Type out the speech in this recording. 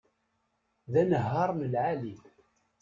D anehhar n lεali